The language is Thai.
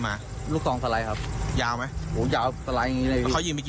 ทักต่อยกันใช่ครับแล้วฝั่งนู้นเขาก็โป้งมาเลย